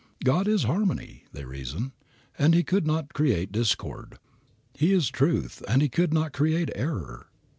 God is harmony, they reason, and He could not create discord. He is truth and He could not create error.